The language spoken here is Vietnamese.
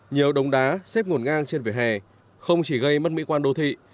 nhiều đống đá xếp ngổn ngang trên vỉa hè không chỉ gây mất mỹ quan đô thị